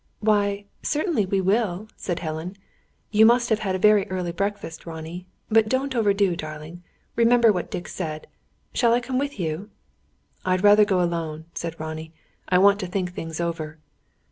"Why, certainly we will," said Helen. "You must have had a very early breakfast, Ronnie. But don't overdo, darling. Remember what Dick said. Shall I come with you?" "I would rather go alone," said Ronnie. "I want to think things over."